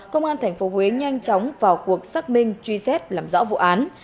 công an thành phố huế nhanh chóng vào cuộc xác minh truy xét làm rõ vụ án